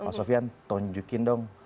pak sofian tunjukin dong